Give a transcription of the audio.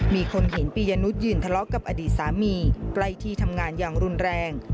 มีคนเห็นปียนุษยืนทะเลาะกับอดีตสามีใกล้ที่ทำงานอย่างรุนแรง